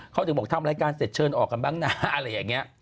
เขาถึงบอกทำรายการเสร็จเชิญออกกันบ้างนะอะไรอย่างนี้